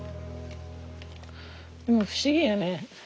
でも不思議やね。